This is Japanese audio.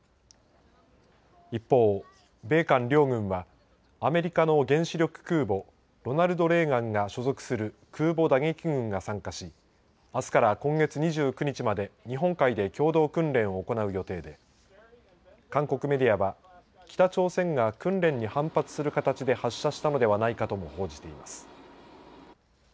一方、米韓両軍はアメリカの原子力空母ロナルド・レーガンが所属する空母打撃群が参加しあすから今月２９日まで日本海で共同訓練を行う予定で韓国メディアは北朝鮮が訓練に反発する形で発射したのではないかとも報じています。